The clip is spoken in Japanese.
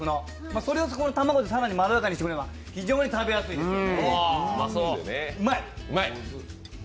それを卵で更にまろやかにしてくれるのは、非常に食べやすいですね。